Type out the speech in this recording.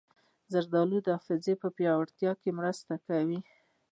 زردالو د حافظې پیاوړتیا کې مرسته کوي.